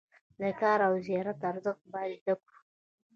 د کار او زیار ارزښت باید زده کړو.